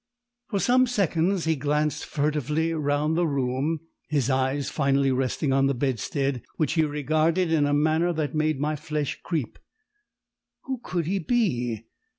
For some seconds he glanced furtively round the room, his eyes finally resting on the bedstead, which he regarded in a manner that made my flesh creep! Who could he be?